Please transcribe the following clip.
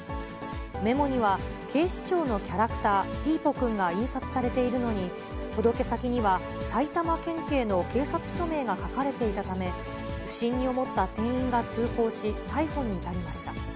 メモには、警視庁のキャラクター、ピーポくんが印刷されているのに、届け先には埼玉県警の警察署名が書かれていたため、不審に思った店員が通報し、逮捕に至りました。